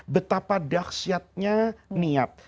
betapa dahsyatnya niat